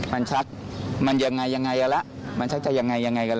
มันชักมันยังไงยังไงล่ะมันชักจะยังไงยังไงกันล่ะ